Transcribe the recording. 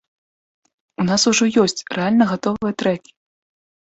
У нас ужо ёсць рэальна гатовыя трэкі!